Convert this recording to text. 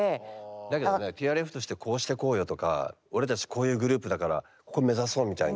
だけどねＴＲＦとしてこうしてこうよとか俺たちこういうグループだからここ目指そうみたいのは。